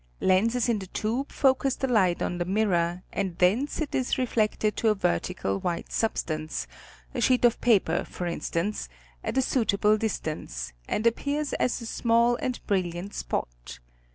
Lenses in the tube focus the light on the mirror and thence it is reflected to a vertical white surface, a sheet of paper for instance, at a suitable distance and appears as a small and brilliant spot.